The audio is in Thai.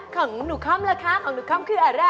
ของหนูค่อมล่ะคะของหนูค่ำคืออะไร